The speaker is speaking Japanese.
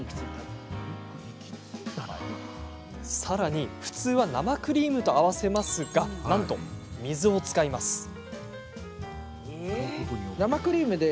さらに、普通は生クリームと合わせますがなんと水を使います。